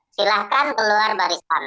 silahkan keluar barisan